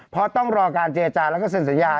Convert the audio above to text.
เพราะต้องรอการเจรจาแล้วก็เซ็นสัญญา